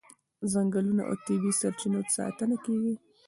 د ځنګلونو او طبیعي سرچینو ساتنه کیږي.